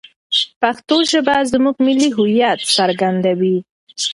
پښتو ژبه زموږ ملي هویت څرګندوي.